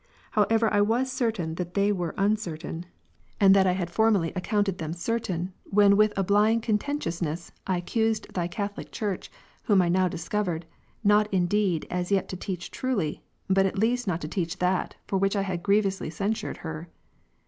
However I w^ certain that they were uncertain, and 90 Belief, not demonstration, the way to divine knowledge. CONF. that I had formerly accounted them certain, when with a ^'^'' blind contentiousness, I accused Thy Catholic Church, whom I now discovered, not indeed as yet to teach truly, but at least not to teach that, for which I had grievously censured her.